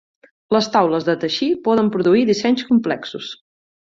Les taules de teixir poden produir dissenys complexos.